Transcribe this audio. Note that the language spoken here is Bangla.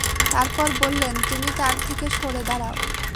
তারপর বললেন, তুমি তার থেকে সরে দাঁড়াও।